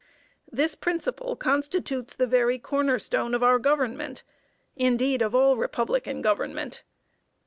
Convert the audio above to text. This principle constitutes the very corner stone of our government indeed, of all republican government.